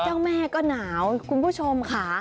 เจ้าแม่ก็หนาวคุณผู้ชมค่ะ